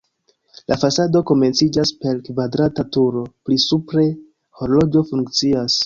La fasado komenciĝas per kvadrata turo, pli supre horloĝo funkcias.